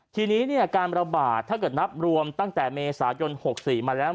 ทีนี้การระบาดถ้าเกิดนับรวมตั้งแต่เมษายน๖๔มาแล้ว